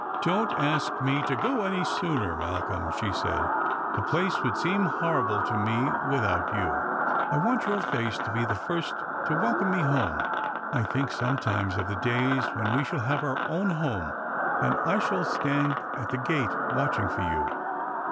" Don't ask me to go any sooner, Malcolm," she said ;" the place would seem horrible to me with out you. I want your face to be the first to welcome me home. I think sometimes of the days when we shall have our own home, and I shall stand at the gate watching for you."